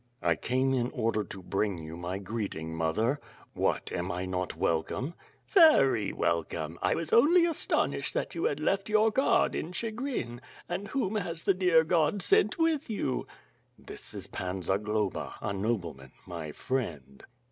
"I came in order to bring you my greeting, mother? What, am I not welcome?" "Very welcome, I was only astonished that you had left your guard in Chigrin. And whom has the dear God sent with you?^ "This is Pan Zagloba, a nobleman, my friend."